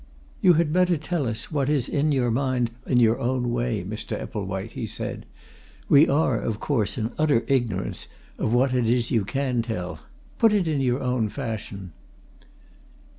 "You had better tell us what is in your mind in your own way, Mr. Epplewhite," he said. "We are, of course, in utter ignorance of what it is you can tell. Put it in your own fashion."